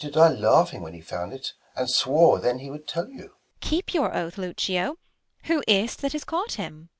Lucio was ready to die laughing when He found it, and swore then he would tell you. Beat. Keep your oath, Lucio ; who is't that has caught him 1 Luc.